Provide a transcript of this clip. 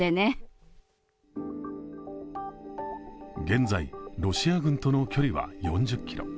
現在、ロシア軍との距離は４０ｋｍ。